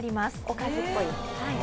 おかずっぽい。